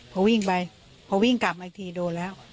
พอวิ่งไปพอวิ่งกลับมาอีกทีโดนแล้ว